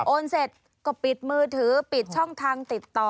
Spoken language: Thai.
เสร็จก็ปิดมือถือปิดช่องทางติดต่อ